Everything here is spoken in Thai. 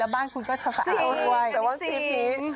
แล้วบ้านคุ้นก็สะอาดเอง